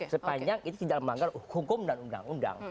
sepanjang itu tidak melanggar hukum dan undang undang